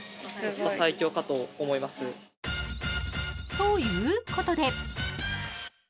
［ということで］